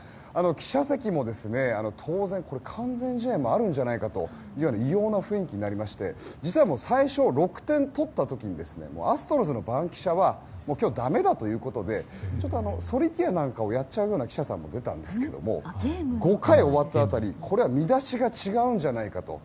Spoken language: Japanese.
記者席も当然、完全試合もあるんじゃないかという異様な雰囲気になりまして実は最初、６点取った時にアストロズの番記者は今日だめだということでソリティアなんかをやっちゃうような記者さんも出たんですけど５回終わった辺り、これは見出しが違うんじゃないかと。